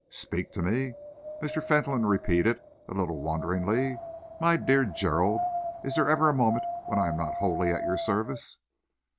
"Speak to me," Mr. Fentolin repeated, a little wonderingly. "My dear Gerald, is there ever a moment when I am not wholly at your service?"